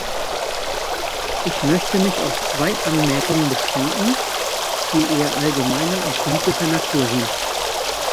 Ich möchte mich auf zwei Anmerkungen beschränken, die eher allgemeiner und politischer Natur sind.